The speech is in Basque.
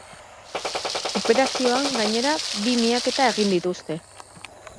Operazioan, gainera, bi miaketa egin dituzte.